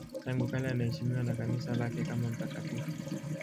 Tangu kale anaheshimiwa na Kanisa lake kama mtakatifu.